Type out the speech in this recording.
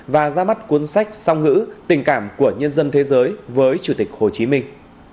và ra mắt cuốn sách song ngữ tình cảm của nhân dân thế giới với chủ tịch hồ chí minh